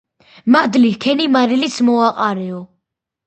მადლი ჰქენი მარილიც მოაყარეო.